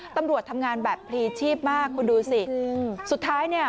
ตำรวจทำงานแบบพลีชีพมากคุณดูสิสุดท้ายเนี่ย